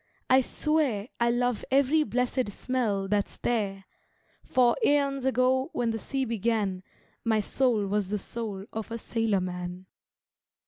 I swear I love every blessed smell that's there For, aeons ago when the sea began, My soul was the soul of a sailorman.